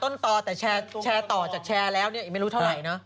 นี่คือแชร์จากตัวต้นต่อแต่แชร์ต่อจากแชร์แล้วไม่รู้เท่าไหร่